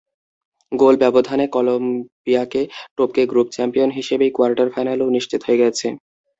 গোল ব্যবধানে কলম্বিয়াকে টপকে গ্রুপ চ্যাম্পিয়ন হিসেবেই কোয়ার্টার ফাইনালও নিশ্চিত হয়ে গেছে।